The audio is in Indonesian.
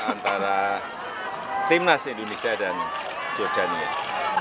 antara tim nas indonesia dan jordanian